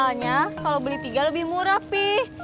soalnya kalau beli tiga lebih murah sih